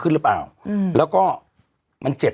เราก็มีความหวังอะ